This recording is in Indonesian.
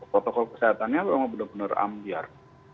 protokol kesehatannya memang benar benar ambiar